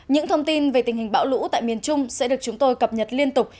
những thông tin về tình hình bão lũ tại miền trung sẽ được chúng tôi cập nhật liên tục